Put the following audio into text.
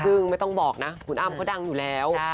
ซึ่งไม่ต้องบอกนะคุณอ้ำเขาดังอยู่แล้ว